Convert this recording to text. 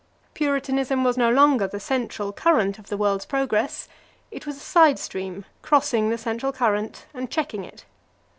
Puritanism was no longer the central current of the world's progress, it was a side stream crossing the central current and checking it.